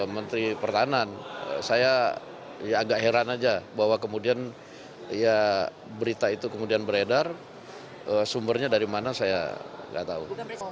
menteri pertahanan saya agak heran aja bahwa kemudian ya berita itu kemudian beredar sumbernya dari mana saya nggak tahu